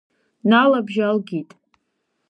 Налабжьалгеит.